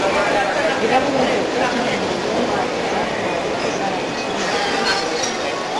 Vilevile Joketi ni miongoni mwa vijana maarufu sana nchini humo